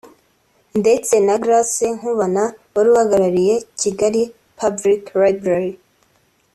ndetse na Grace Nkubana wari uhagarariye Kigali Public Library